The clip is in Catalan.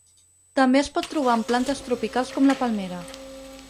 També es pot trobar en plantes tropicals com la palmera.